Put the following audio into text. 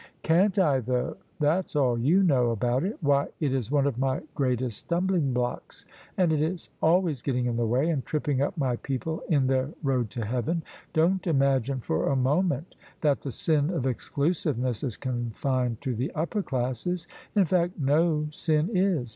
" Can't I though? That's all you know about it! Why, it is one of my greatest stumbling blocks, and is always getting in the way and tripping up my people in their road to Heaven. Don't imagine for a moment that the sin of exclusiveness is confined to the upper classes. In fact no sin is.